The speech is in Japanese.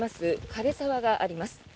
枯れ沢があります。